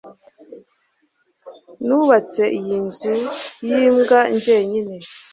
nubatse iyi nzu yimbwa jyenyine